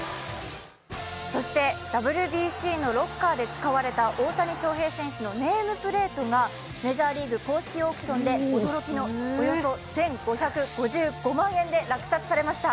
ＷＢＣのロッカーで使われた大谷翔平選手のネームプレートがメジャーリーグ公式オークションで驚きのおよそ１５５５万円で落札されました。